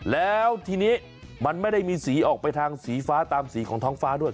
แล้วทีนี้มันไม่ได้มีสีออกไปทางสีฟ้าตามสีของท้องฟ้าด้วย